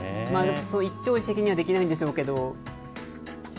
一朝一夕にはできないんでしょうけど。